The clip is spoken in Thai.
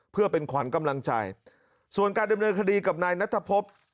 เพื่อเป็นขวัญกำลังใจส่วนการดำเนินคดีกับนายนัทพบ